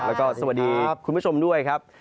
แล้วก็สวัสดีคุณผู้ชมด้วยครับ